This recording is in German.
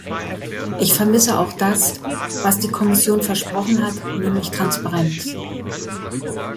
Ich vermisse auch das, was die Kommission versprochen hat, nämlich Transparenz.